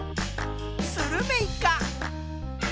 スルメイカ。